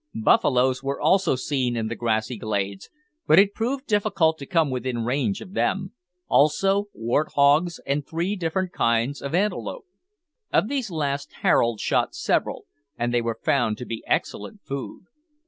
Buffaloes were also seen in the grassy glades, but it proved difficult to come within range of them; also wart hogs, and three different kinds of antelope. Of these last Harold shot several, and they were found to be excellent food.